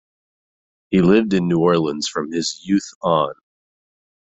He lived in New Orleans from his youth on.